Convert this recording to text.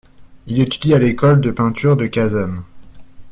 Il étudie à l'école de peinture de Kazan.